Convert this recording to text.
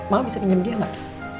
mama bisa pinjam dia gak